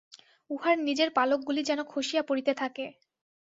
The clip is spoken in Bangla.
উহার নিজের পালকগুলি যেন খসিয়া পড়িতে থাকে।